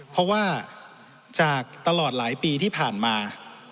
เพราะว่าจากตลอดหลายปีที่ผ่านมา